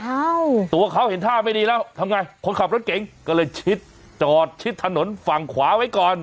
ตัวเขาเห็นท่าไม่ดีแล้วทำไงคนขับรถเก๋งก็เลยชิดจอดชิดถนนฝั่งขวาไว้ก่อน